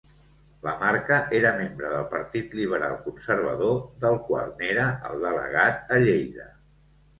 Lamarca era membre del Partit Liberal Conservador, del quan n'era el delegat a Lleida.